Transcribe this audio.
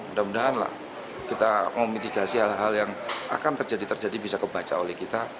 mudah mudahan lah kita mau mitigasi hal hal yang akan terjadi terjadi bisa kebaca oleh kita